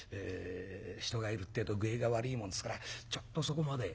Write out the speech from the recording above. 人がいるってえと具合が悪いもんですからちょっとそこまで」。